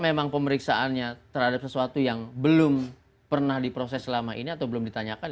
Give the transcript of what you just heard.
jadi ini adalah pertanyaannya terhadap sesuatu yang belum pernah diproses selama ini atau belum ditanyakan